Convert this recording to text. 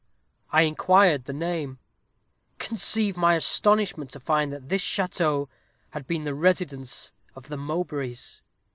I inquired the name. Conceive my astonishment to find that this château had been the residence of the Mowbrays.